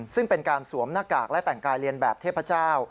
ซึ่งเป็นการสวมหน้ากากและแต่งกายเรียนแบบเทพเจ้า